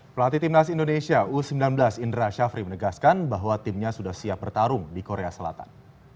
pelatih timnas indonesia u sembilan belas indra syafri menegaskan bahwa timnya sudah siap bertarung di korea selatan